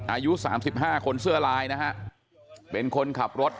อายุสามสิบห้าคนเสื้อลายนะฮะเป็นคนขับรถ